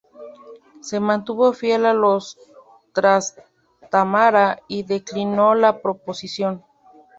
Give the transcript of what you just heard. Se mantuvo fiel a los Trastámara y declinó la proposición.